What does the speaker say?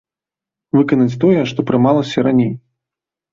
Выканаць тое, што прымалася раней.